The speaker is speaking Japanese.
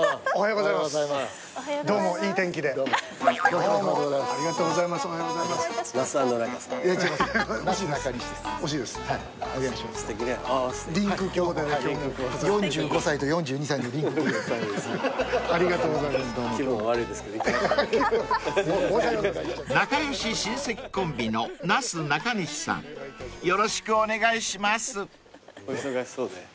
お忙しそうで。